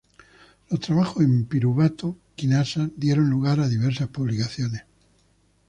Los trabajos en piruvato quinasas dieron lugar a diversas publicaciones.